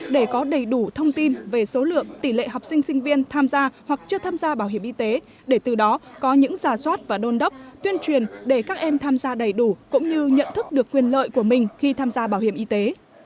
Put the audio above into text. để có đầy đủ thông tin về số lượng tỷ lệ học sinh sinh viên tham gia hoặc chưa tham gia bảo hiểm y tế để từ đó có những giả soát và đôn đốc tuyên truyền để các em tham gia đầy đủ cũng như nhận thức được quyền lợi của mình khi tham gia bảo hiểm y tế